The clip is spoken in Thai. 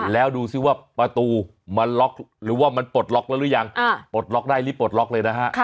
แล้วดูสิว่าประตูมันล็อกหรือว่ามันปลดล็อกแล้วหรือยังปลดล็อกได้รีบปลดล็อกเลยนะฮะ